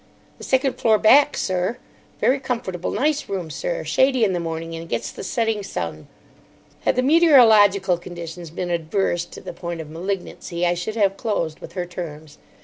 "The second floor back, sir. Very comfortable, nice room, sir. Shady in the morning, and gets the setting sun." Had the meteorological conditions been adverse to the point of malignancy, I should have closed with her terms.